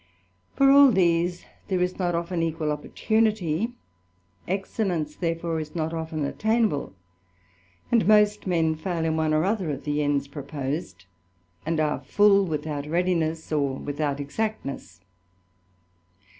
For all these there is ttot often equal opportunity; excellence, therefore, is not often attainable ; and most men fail in one or other of the ends proposed, and are full without readiness, or ready without exactness.